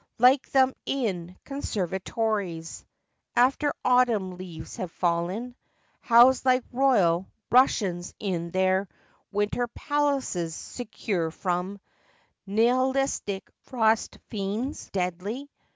Like them in conservatories, After autumn leaves have fallen; Housed like royal Russians in their Winter palaces, secure from Nihilistic frost fiends deadly.